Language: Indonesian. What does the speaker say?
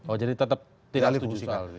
oh jadi tetap tidak setuju soal ini ya